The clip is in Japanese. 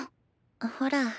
ほら。